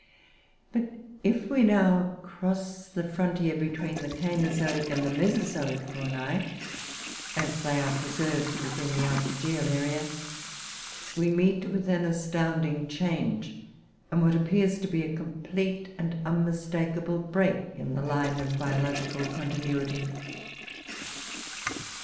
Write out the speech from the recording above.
But if we now cross the frontier between the Cainozoic and the Mesozoic faunae, as they are preserved within the Arctogaeal area, we meet with an astounding change, and what appears to be a complete and unmistakable break in the line of biological continuity.